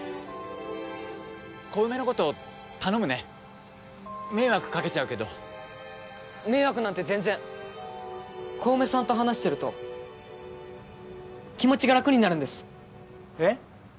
小梅のこと頼むね迷惑かけちゃうけど迷惑なんて全然小梅さんと話してると気持ちが楽になるんですえっ？